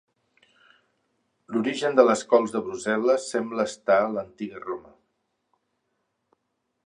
L'origen de les cols de Brussel·les sembla estar en l'antiga Roma.